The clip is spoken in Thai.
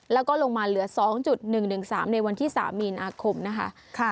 แล้วก็ลงมาเหลือ๒๑๑๓ในวันที่๓มีนาคมนะคะ